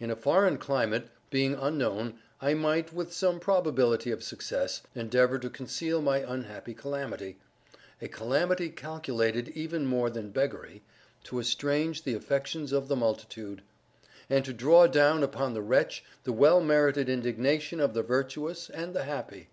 In a foreign climate, being unknown, I might, with some probability of success, endeavor to conceal my unhappy calamity—a calamity calculated, even more than beggary, to estrange the affections of the multitude, and to draw down upon the wretch the well merited indignation of the virtuous and the happy.